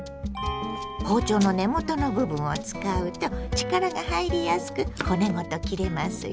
包丁の根元の部分を使うと力が入りやすく骨ごと切れますよ。